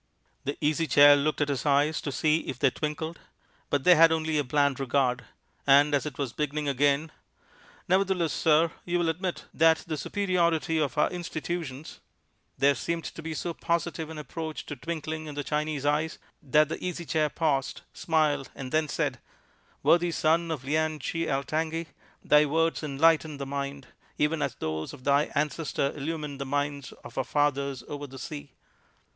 The Easy Chair looked at his eyes to see if they twinkled, but they had only a bland regard; and as it was beginning again "Nevertheless, sir, you will admit that the superiority of our institutions" there seemed to be so positive an approach to twinkling in the Chinese eyes that the Easy Chair paused, smiled, and then said: "Worthy son of Lien Chi Altangi, thy words enlighten the mind, even as those of thy ancestor illuminated the minds of our fathers over the sea.